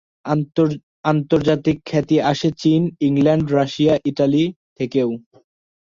আন্তর্জাতিক খ্যাতি আসে চীন, ইংল্যান্ড, রাশিয়া, ইটালি থেকেও।